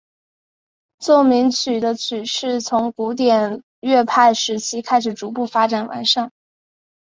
奏鸣曲的曲式从古典乐派时期开始逐步发展完善。